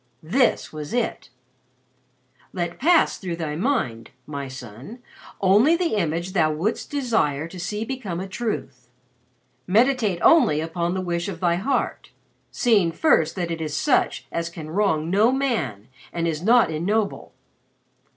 This was it: "_'Let pass through thy mind, my son, only the image thou wouldst desire to see become a truth. Meditate only upon the wish of thy heart seeing first that it is such as can wrong no man and is not ignoble.